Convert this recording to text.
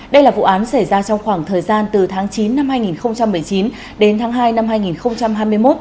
đây là vụ án xảy ra trong khoảng thời gian từ tháng chín năm hai nghìn một mươi chín đến tháng hai năm hai nghìn hai mươi một